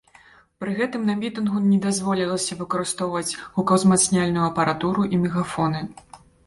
Пры гэтым на мітынгу не дазволілі выкарыстоўваць гукаўзмацняльную апаратуру і мегафоны.